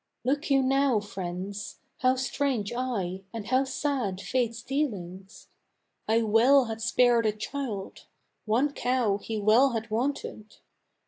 Look you now, friends! how strange ay, and how sad Fate's dealings! I well had spared a child one cow he well had wanted.